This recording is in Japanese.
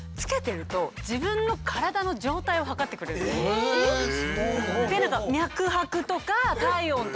えっ。